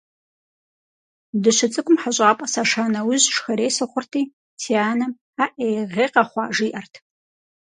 Дыщыцӏыкӏум хьэщӏапӏэ саша нэужь шхэрей сыхъурти, си анэм «Аӏей, гъей къэхъуа?», жиӏэрт.